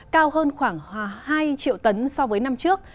cao hơn khoảng hai triệu tấn so với năm trước